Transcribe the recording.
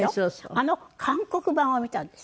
あの韓国版を見たんです。